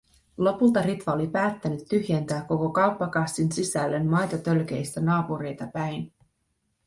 Lopulta Ritva oli päättänyt tyhjentää koko kauppakassin sisällön maitotölkeistä naapureita päin.